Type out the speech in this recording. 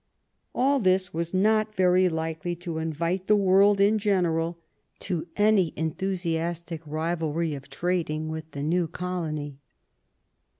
All this was not yery likely to inyite the world in general to any enthusiastic riyalry of trading with the new col ony.